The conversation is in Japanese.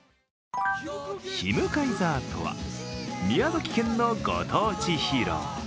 ヒムカイザーとは、宮崎県のご当地ヒーロー。